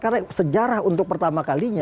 karena sejarah untuk pertama kalinya